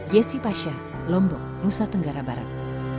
yesi pasha lombok nusa tenggara barat